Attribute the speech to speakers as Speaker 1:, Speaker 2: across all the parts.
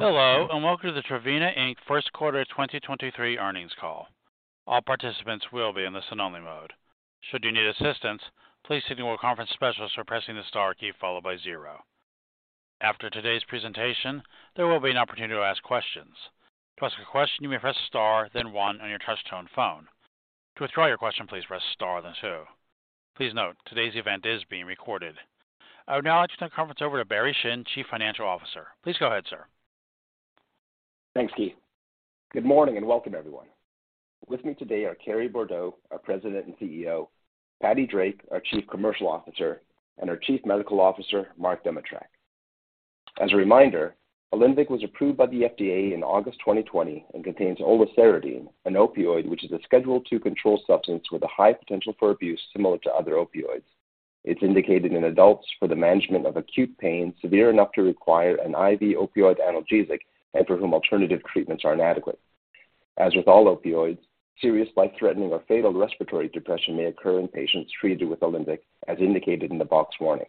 Speaker 1: Hello, welcome to the Trevena, Inc. Q1 2023 earnings call. All participants will be in listen only mode. Should you need assistance, please signal a conference specialist by pressing the star key followed by 0. After today's presentation, there will be an opportunity to ask questions. To ask a question, you may press star then 1 on your touchtone phone. To withdraw your question, please press star then 2. Please note, today's event is being recorded. I would now like to turn the conference over to Barry Shin, Chief Financial Officer. Please go ahead, sir.
Speaker 2: Thanks, Keith. Good morning, welcome everyone. With me today are Carrie Bourdow, our President and CEO, Patricia Drake, our Chief Commercial Officer, our Chief Medical Officer, Mark Demitrack. As a reminder, OLINVYK was approved by the FDA in August 2020 and contains oliceridine, an opioid which is a Schedule II controlled substance with a high potential for abuse similar to other opioids. It's indicated in adults for the management of acute pain severe enough to require an IV opioid analgesic and for whom alternative treatments are inadequate. As with all opioids, serious life-threatening or fatal respiratory depression may occur in patients treated with OLINVYK, as indicated in the box warning.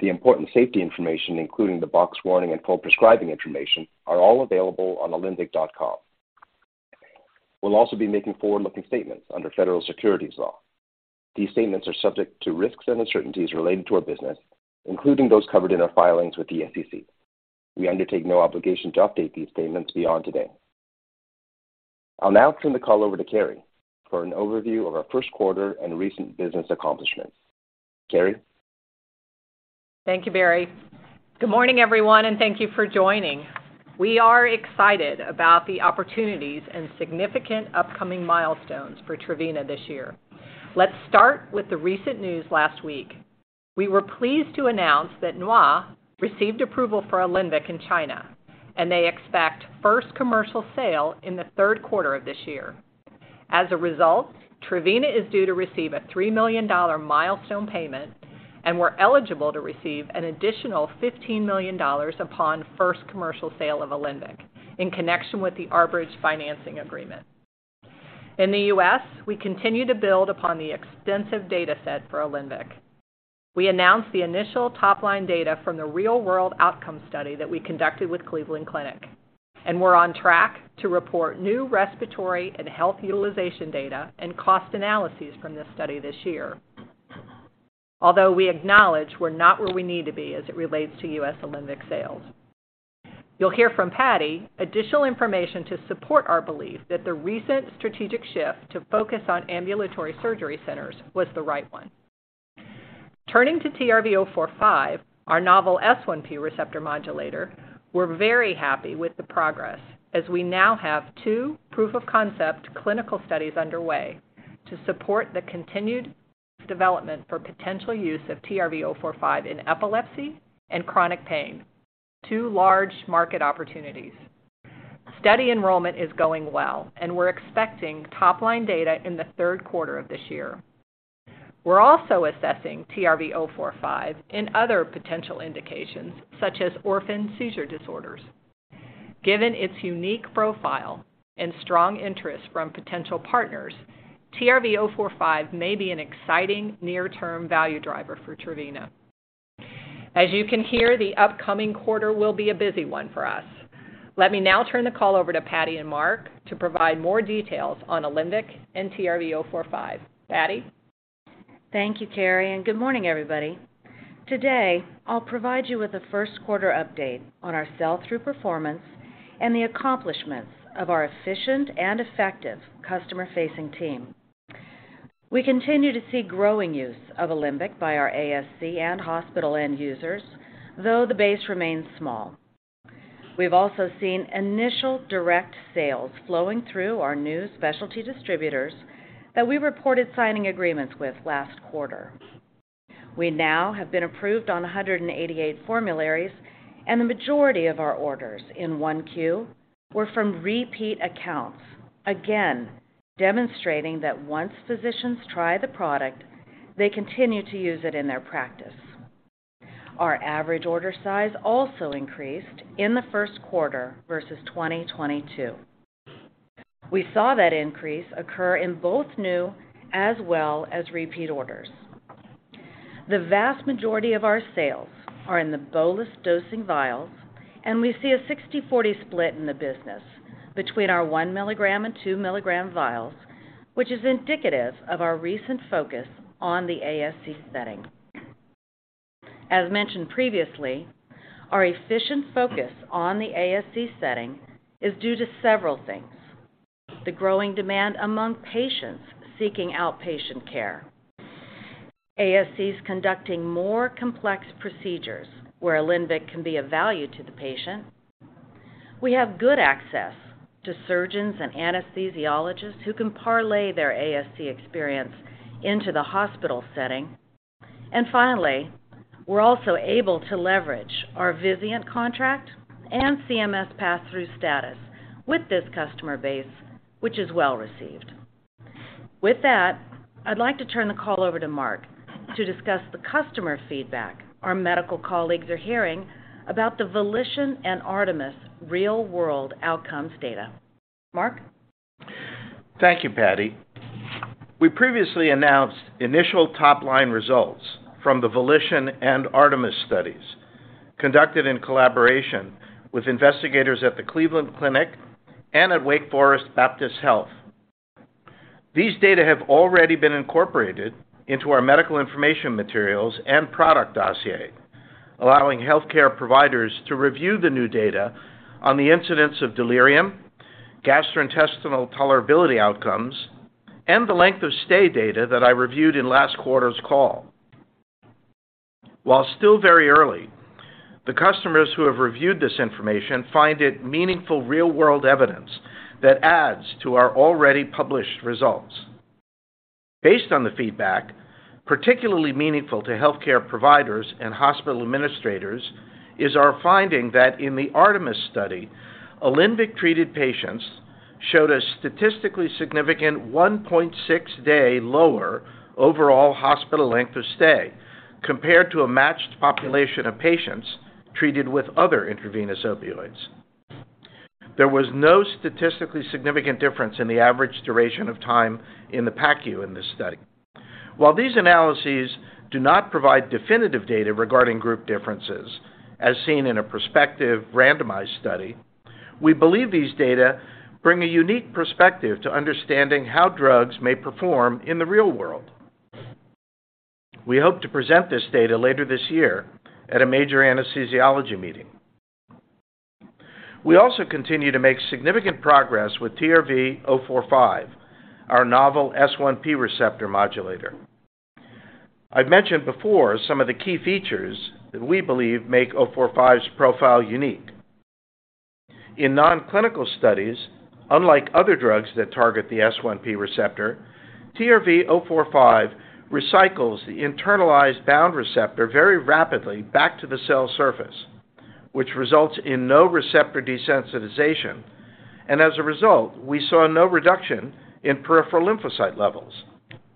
Speaker 2: The important safety information, including the box warning and full prescribing information, are all available on OLINVYK.com. We'll also be making forward-looking statements under federal securities law. These statements are subject to risks and uncertainties related to our business, including those covered in our filings with the SEC. We undertake no obligation to update these statements beyond today. I'll now turn the call over to Carrie for an overview of our Q1 and recent business accomplishments. Carrie?
Speaker 3: Thank you, Barry Shin. Good morning, everyone, and thank you for joining. We are excited about the opportunities and significant upcoming milestones for Trevena this year. Let's start with the recent news last week. We were pleased to announce that Nhwa received approval for OLINVYK in China. They expect first commercial sale in the Q3 of this year. As a result, Trevena is due to receive a $3 million milestone payment. We're eligible to receive an additional $15 million upon first commercial sale of OLINVYK in connection with the R-Bridge financing agreement. In the US we continue to build upon the extensive data set for OLINVYK. We announced the initial top-line data from the real-world outcome study that we conducted with Cleveland Clinic. We're on track to report new respiratory and health utilization data and cost analyses from this study this year. We acknowledge we're not where we need to be as it relates to US OLINVYK sales. You'll hear from Patty additional information to support our belief that the recent strategic shift to focus on ambulatory surgery centers was the right one. Turning to TRV045, our novel S1P receptor modulator, we're very happy with the progress as we now have 2 proof-of-concept clinical studies underway to support the continued development for potential use of TRV045 in epilepsy and chronic pain, 2 large market opportunities. Study enrollment is going well, and we're expecting top-line data in the 3rd quarter of this year. We're also assessing TRV045 in other potential indications such as orphan seizure disorders. Given its unique profile and strong interest from potential partners, TRV045 may be an exciting near-term value driver for Trevena. As you can hear, the upcoming quarter will be a busy one for us. Let me now turn the call over to Patty and Mark to provide more details on OLINVYK and TRV045. Patty?
Speaker 4: Thank you, Carrie. Good morning, everybody. Today, I'll provide you with a Q1 update on our sell-through performance and the accomplishments of our efficient and effective customer-facing team. We continue to see growing use of OLINVYK by our ASC and hospital end users, though the base remains small. We've also seen initial direct sales flowing through our new specialty distributors that we reported signing agreements with last quarter. We now have been approved on 188 formularies, and the majority of our orders in 1Q were from repeat accounts. Again, demonstrating that once physicians try the product, they continue to use it in their practice. Our average order size also increased in the Q1 versus 2022. We saw that increase occur in both new as well as repeat orders. The vast majority of our sales are in the bolus dosing vials, and we see a 60/40 split in the business between our 1 milligram and 2 milligram vials, which is indicative of our recent focus on the ASC setting. As mentioned previously, our efficient focus on the ASC setting is due to several things. The growing demand among patients seeking outpatient care. ASCs conducting more complex procedures where OLINVYK can be of value to the patient. We have good access to surgeons and anesthesiologists who can parlay their ASC experience into the hospital setting. Finally, we're also able to leverage our Vizient contract and CMS passthrough status with this customer base, which is well-received. With that, I'd like to turn the call over to Mark to discuss the customer feedback our medical colleagues are hearing about the VOLITION and ARTEMIS real-world outcomes data. Mark?
Speaker 5: Thank you, Patricia Drake. We previously announced initial top-line results from the VOLITION and ARTEMIS studies conducted in collaboration with investigators at the Cleveland Clinic and at Atrium Health Wake Forest Baptist. These data have already been incorporated into our medical information materials and product dossier, allowing healthcare providers to review the new data on the incidence of delirium, gastrointestinal tolerability outcomes, and the length of stay data that I reviewed in last quarter's call. While still very early, the customers who have reviewed this information find it meaningful real-world evidence that adds to our already published results. Based on the feedback, particularly meaningful to healthcare providers and hospital administrators, is our finding that in the ARTEMIS study, OLINVYK-treated patients showed a statistically significant 1.6 day lower overall hospital length of stay compared to a matched population of patients treated with other intravenous opioids. There was no statistically significant difference in the average duration of time in the PACU in this study. While these analyses do not provide definitive data regarding group differences as seen in a prospective randomized study, we believe these data bring a unique perspective to understanding how drugs may perform in the real world. We hope to present this data later this year at a major anesthesiology meeting. We also continue to make significant progress with TRV045, our novel S1P receptor modulator. I've mentioned before some of the key features that we believe make O four five's profile unique. In non-clinical studies, unlike other drugs that target the S1P receptor, TRV045 recycles the internalized bound receptor very rapidly back to the cell surface, which results in no receptor desensitization. As a result, we saw no reduction in peripheral lymphocyte levels,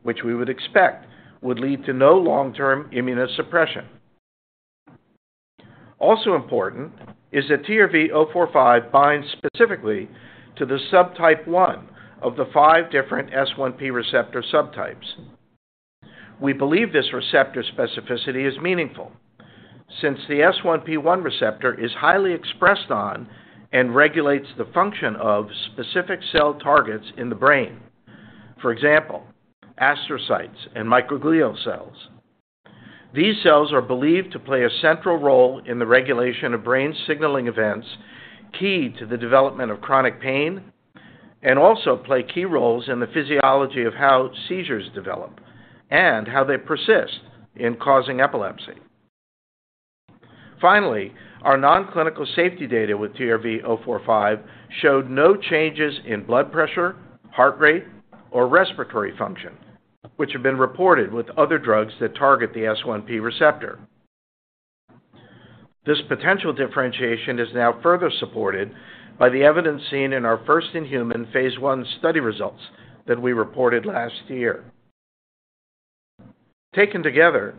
Speaker 5: which we would expect would lead to no long-term immunosuppression. Important is that TRV045 binds specifically to the subtype one of the five different S1P receptor subtypes. We believe this receptor specificity is meaningful since the S1P1 receptor is highly expressed on and regulates the function of specific cell targets in the brain. For example, astrocytes and microglial cells. These cells are believed to play a central role in the regulation of brain signaling events, key to the development of chronic pain, and also play key roles in the physiology of how seizures develop and how they persist in causing epilepsy. Our non-clinical safety data with TRV045 showed no changes in blood pressure, heart rate, or respiratory function, which have been reported with other drugs that target the S1P receptor. This potential differentiation is now further supported by the evidence seen in our first in human Phase I study results that we reported last year. Taken together,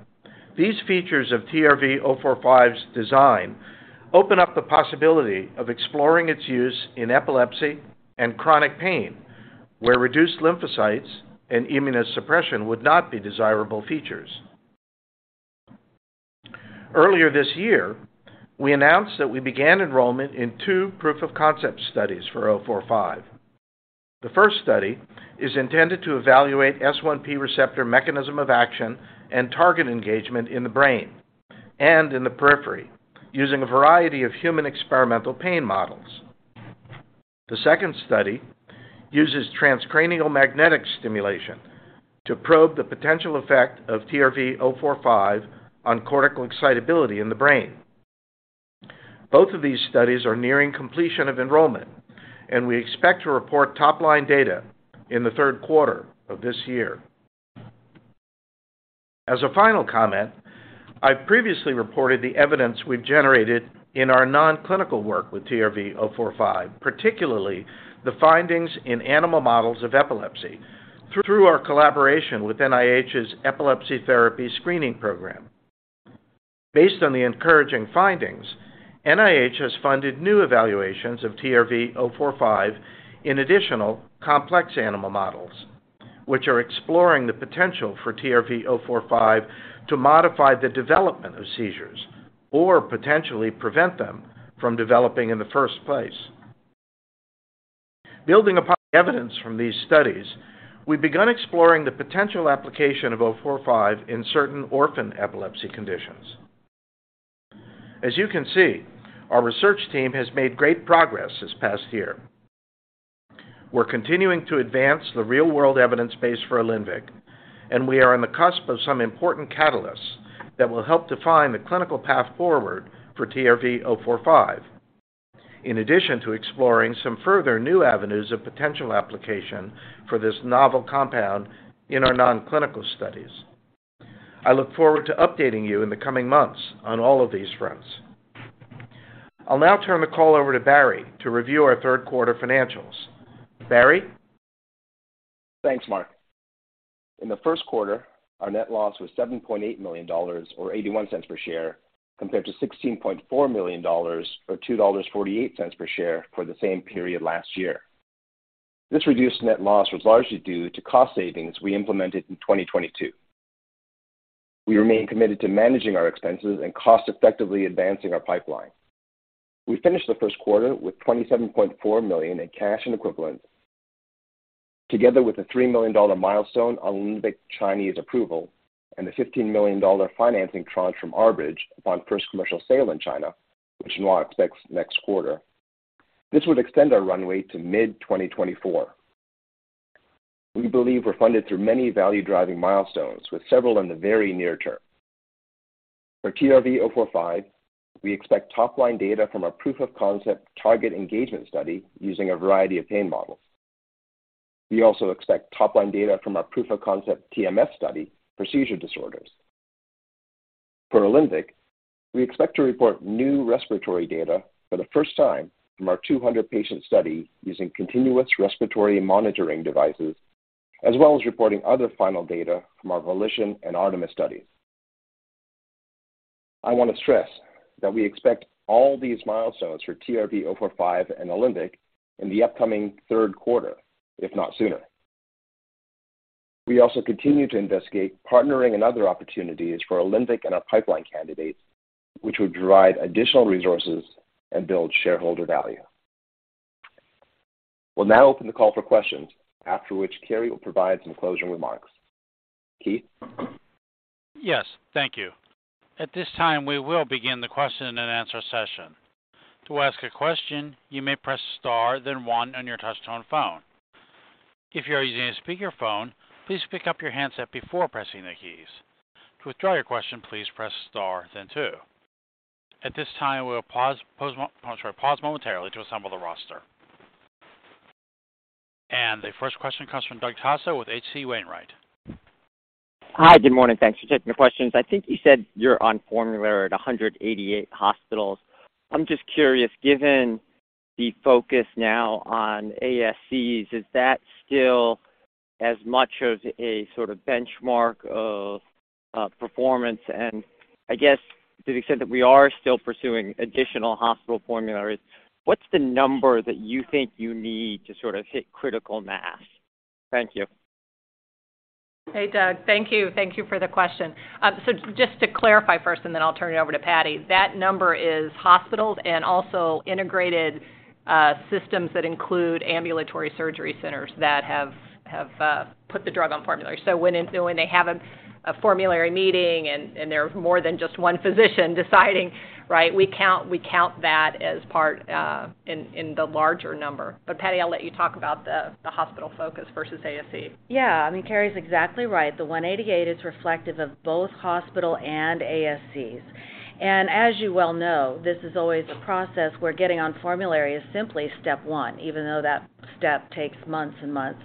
Speaker 5: these features of TRV045's design open up the possibility of exploring its use in epilepsy and chronic pain, where reduced lymphocytes and immunosuppression would not be desirable features. Earlier this year, we announced that we began enrollment in two proof of concept studies for TRV045. The first study is intended to evaluate S1P receptor mechanism of action and target engagement in the brain and in the periphery using a variety of human experimental pain models. The second study uses transcranial magnetic stimulation to probe the potential effect of TRV045 on cortical excitability in the brain. Both of these studies are nearing completion of enrollment, and we expect to report top-line data in the Q3 of this year. As a final comment, I previously reported the evidence we've generated in our non-clinical work with TRV-045, particularly the findings in animal models of epilepsy through our collaboration with NIH's Epilepsy Therapy Screening Program. Based on the encouraging findings, NIH has funded new evaluations of TRV-045 in additional complex animal models, which are exploring the potential for TRV-045 to modify the development of seizures or potentially prevent them from developing in the first place. Building upon evidence from these studies, we've begun exploring the potential application of O four five in certain orphan epilepsy conditions. As you can see, our research team has made great progress this past year. We're continuing to advance the real-world evidence base for OLINVYK. We are on the cusp of some important catalysts that will help define the clinical path forward for TRV-045. In addition to exploring some further new avenues of potential application for this novel compound in our non-clinical studies. I look forward to updating you in the coming months on all of these fronts. I'll now turn the call over to Barry to review our Q3 financials. Barry?
Speaker 2: Thanks, Mark. In the Q1, our net loss was $7.8 million or $0.81 per share compared to $16.4 million or $2.48 per share for the same period last year. This reduced net loss was largely due to cost savings we implemented in 2022. We remain committed to managing our expenses and cost effectively advancing our pipeline. We finished the Q1 with $27.4 million in cash and equivalents together with a $3 million milestone on OLINVYK Chinese approval and a $15 million financing tranche from R-Bridge upon first commercial sale in China, which Nhwa expects next quarter. This would extend our runway to mid-2024. We believe we're funded through many value-driving milestones with several in the very near term. For TRV045, we expect top-line data from our proof of concept target engagement study using a variety of pain models. We also expect top-line data from our proof of concept TMS study for seizure disorders. For OLINVYK, we expect to report new respiratory data for the first time from our 200 patient study using continuous respiratory monitoring devices, as well as reporting other final data from our VOLITION and ARTEMIS studies. I want to stress that we expect all these milestones for TRV045 and OLINVYK in the upcoming Q3, if not sooner. We also continue to investigate partnering and other opportunities for OLINVYK and our pipeline candidates, which would derive additional resources and build shareholder value. We'll now open the call for questions, after which Carrie will provide some closing remarks. Keith?
Speaker 1: Yes, thank you. At this time, we will begin the question and answer session. To ask a question, you may press star then one on your touchtone phone. If you are using a speakerphone, please pick up your handset before pressing the keys. To withdraw your question, please press star then two. At this time, we'll pause, I'm sorry, pause momentarily to assemble the roster. The first question comes from Douglas Tsao with H.C. Wainwright.
Speaker 6: Hi, good morning. Thanks for taking the questions. I think you said you're on formulary at 188 hospitals. I'm just curious, given the focus now on ASCs, is that still as much of a sort of benchmark of performance? I guess to the extent that we are still pursuing additional hospital formularies, what's the number that you think you need to sort of hit critical mass? Thank you.
Speaker 3: Hey, Doug. Thank you for the question. Just to clarify first, and then I'll turn it over to Patty, that number is hospitals and also integrated systems that include ambulatory surgery centers that have put the drug on formulary. When they have a formulary meeting and there are more than just 1 physician deciding, right, we count that as part in the larger number. Patty, I'll let you talk about the hospital focus versus ASC.
Speaker 4: Yeah. I mean, Carrie's exactly right. The 188 is reflective of both hospital and ASCs. As you well know, this is always a process where getting on formulary is simply step one, even though that step takes months and months.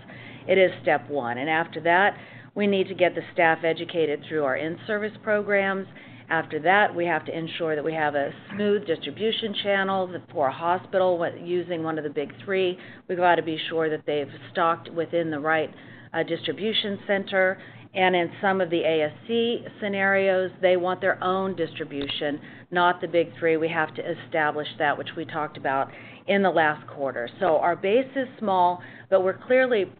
Speaker 4: It is step one. After that, we need to get the staff educated through our in-service programs. After that, we have to ensure that we have a smooth distribution channel for a hospital using one of the big three. We've got to be sure that they've stocked within the right distribution center. In some of the ASC scenarios, they want their own distribution, not the big three. We have to establish that, which we talked about in the last quarter. Our base is small, but we're clearly,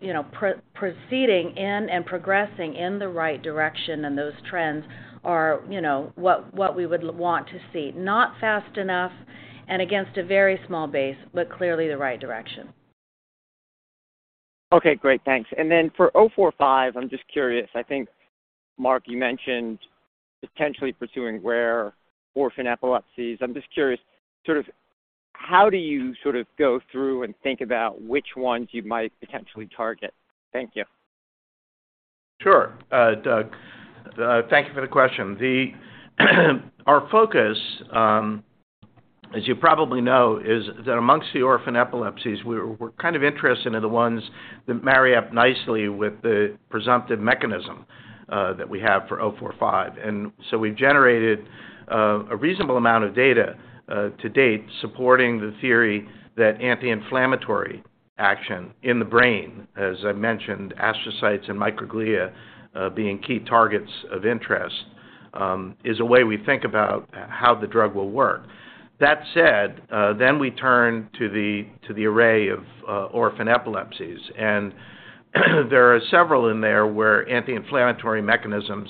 Speaker 4: you know, pro-proceeding in and progressing in the right direction, and those trends are, you know, what we would want to see. Not fast enough and against a very small base, but clearly the right direction.
Speaker 6: Okay, great. Thanks. For TRV045, I'm just curious. I think, Mark, you mentioned potentially pursuing rare orphan epilepsies. I'm just curious, sort of how do you sort of go through and think about which ones you might potentially target? Thank you.
Speaker 5: Sure. Doug, thank you for the question. Our focus, as you probably know, is that amongst the orphan epilepsies, we're kind of interested in the ones that marry up nicely with the presumptive mechanism that we have for TRV045.
Speaker 2: So we've generated a reasonable amount of data to date supporting the theory that anti-inflammatory action in the brain, as I mentioned, astrocytes and microglia, being key targets of interest, is a way we think about how the drug will work. That said, we turn to the, to the array of orphan epilepsies. There are several in there where anti-inflammatory mechanisms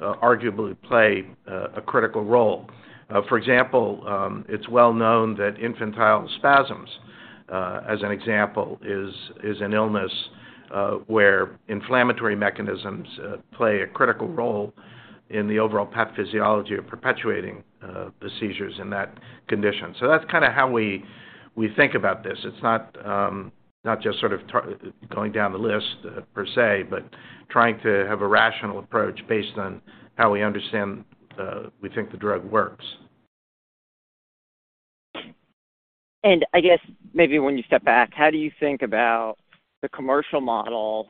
Speaker 2: arguably play a critical role. For example, it's well known that infantile spasms, as an example, is an illness where inflammatory mechanisms play a critical role in the overall pathophysiology of perpetuating the seizures in that condition. That's kinda how we think about this. It's not just sort of going down the list per se, but trying to have a rational approach based on how we understand, we think the drug works.
Speaker 6: I guess maybe when you step back, how do you think about the commercial model?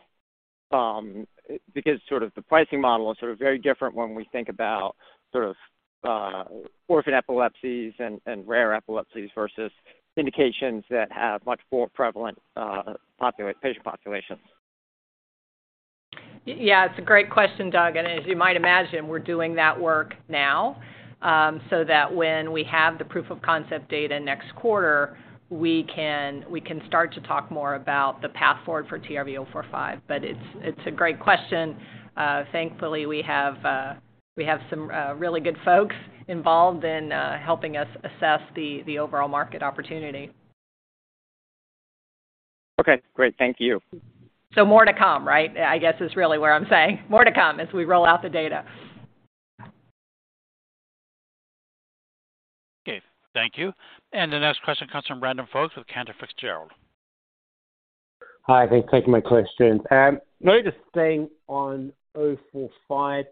Speaker 6: Because sort of the pricing model is sort of very different when we think about sort of orphan epilepsies and rare epilepsies versus indications that have much more prevalent patient population.
Speaker 3: Yeah, it's a great question, Doug, and as you might imagine, we're doing that work now, so that when we have the proof of concept data next quarter, we can start to talk more about the path forward for TRV045. It's a great question. Thankfully, we have some really good folks involved in helping us assess the overall market opportunity.
Speaker 6: Okay, great. Thank you.
Speaker 3: More to come, right? I guess is really what I'm saying. More to come as we roll out the data.
Speaker 1: Okay, thank you. The next question comes from Brandon Folkes with Cantor Fitzgerald.
Speaker 7: Hi, thanks for taking my question. Notice staying on TRV045.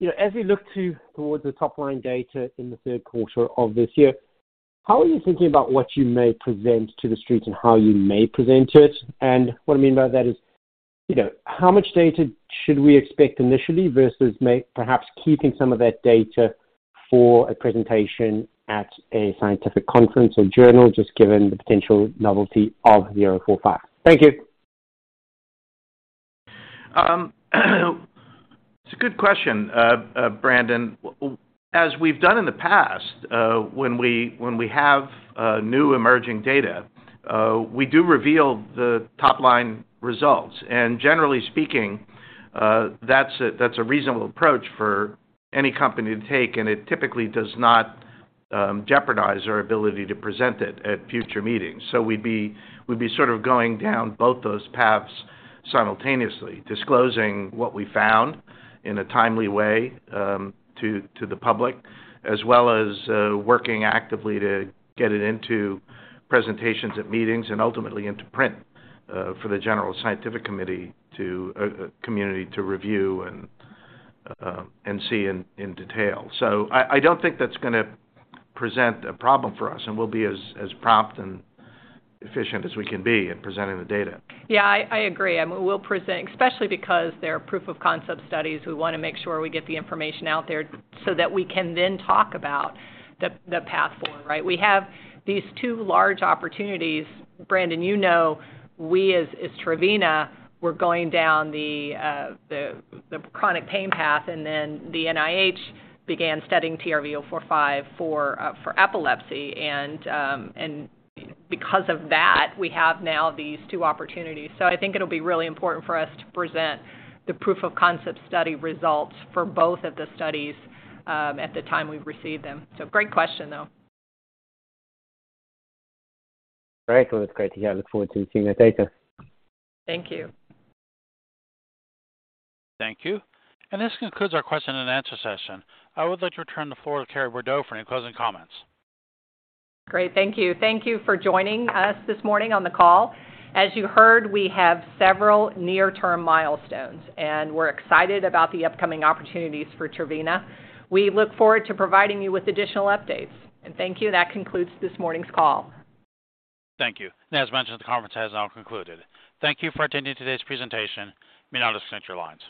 Speaker 7: You know, as we look to towards the top line data in the Q3 of this year, how are you thinking about what you may present to The Street and how you may present it? What I mean by that is, you know, how much data should we expect initially versus may perhaps keeping some of that data for a presentation at a scientific conference or journal, just given the potential novelty of the TRV045? Thank you.
Speaker 5: It's a good question, Brandon Folkes. As we've done in the past, when we have new emerging data, we do reveal the top line results. Generally speaking, that's a reasonable approach for any company to take, and it typically does not jeopardize our ability to present it at future meetings. We'd be sort of going down both those paths simultaneously, disclosing what we found in a timely way to the public, as well as working actively to get it into presentations at meetings and ultimately into print for the general scientific community to review and see in detail. I don't think that's gonna present a problem for us, and we'll be as prompt and efficient as we can be in presenting the data.
Speaker 3: Yeah, I agree. I mean, we'll present, especially because they're proof of concept studies. We wanna make sure we get the information out there so that we can then talk about the path forward, right? We have these two large opportunities. Brandon, you know, we as Trevena, we're going down the chronic pain path. Because of that, we have now these two opportunities. I think it'll be really important for us to present the proof of concept study results for both of the studies, at the time we've received them. Great question, though.
Speaker 7: Great. Well, it's great to hear. Look forward to seeing the data.
Speaker 3: Thank you.
Speaker 1: Thank you. This concludes our question and answer session. I would like to turn the floor to Carrie L. Bourdow for any closing comments.
Speaker 3: Great. Thank you. Thank you for joining us this morning on the call. As you heard, we have several near-term milestones, and we're excited about the upcoming opportunities for Trevena. We look forward to providing you with additional updates. Thank you. That concludes this morning's call.
Speaker 1: Thank you. As mentioned, the conference has now concluded. Thank you for attending today's presentation. You may now disconnect your lines.